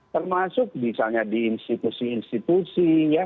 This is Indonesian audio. termasuk misalnya di institusi institusi ya